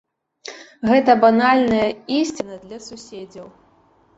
Гэта банальная ісціна для суседзяў.